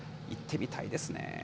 行ってみたいですね。